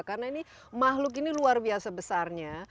karena ini makhluk ini luar biasa besarnya